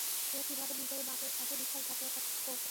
সে কীভাবে নিজের বাপের সাথে বিশ্বাসঘাতক করতে পারে!